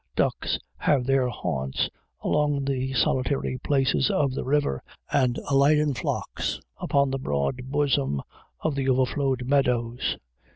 Ducks have their haunts along the solitary places of the river, and alight in flocks upon the broad bosom of the overflowed meadows.